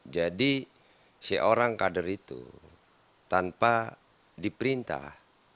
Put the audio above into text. jadi seorang kader itu tanpa diperintah